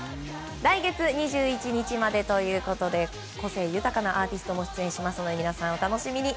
来月２１日までということで個性豊かなアーティストも出演しますので皆さん、お楽しみに。